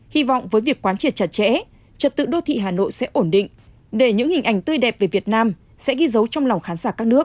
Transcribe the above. hy vọng với việc quán triệt chặt chẽ trật tự đô thị hà nội sẽ ổn định để những hình ảnh tươi đẹp về việt nam sẽ ghi dấu trong lòng khán giả các nước